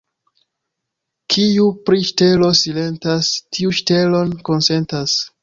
Kiu pri ŝtelo silentas, tiu ŝtelon konsentas.